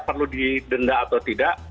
perlu didenda atau tidak